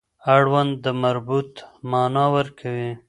اړوند د مربوط معنا ورکوي.